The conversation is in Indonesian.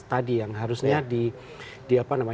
tadi yang harusnya di